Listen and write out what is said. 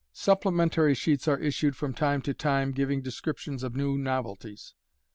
Supplementary sheets are issued from time to time, giving descrip tions of new novelties.